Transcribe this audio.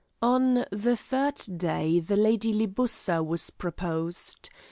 On the third day the Lady Libussa was proposed.